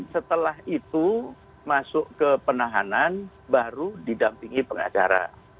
setelah itu masuk ke penahanan baru didampingi pengacara